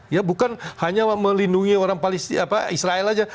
ya bukan hanya melindungi orang israel saja